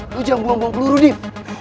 lu jangan buang buang peluru nadeef